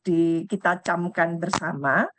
jadi kita camkan bersama